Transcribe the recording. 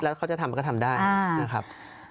แล้วเขาจะทำก็ทำได้นะครับ